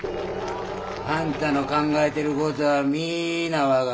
あんたの考えてることはみんな分かるわい。